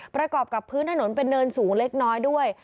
ประกอบกับพื้นถนนเป็นเนินสูงเล็กน้อยด้วย